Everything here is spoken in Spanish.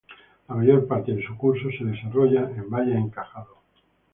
La mayor parte de su curso se desarrolla en valles encajados.